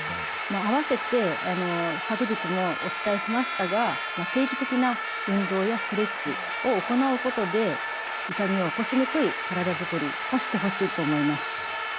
あわせて昨日もお伝えしましたが定期的な運動やストレッチを行うことで痛みを起こしにくい体づくりをしてほしいと思います。